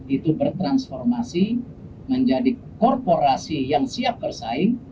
itu bertransformasi menjadi korporasi yang siap bersaing